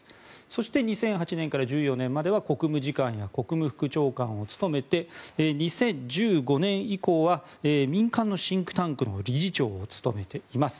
そして２００８年から１４年までは国務次官や国務副長官を務めて２０１５年以降は民間のシンクタンクの理事長を務めています。